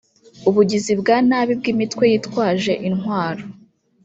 ubugizi bwa nabi bw’imitwe yitwaje intwaro